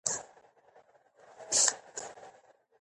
په جګړه کې ګټل کېږي،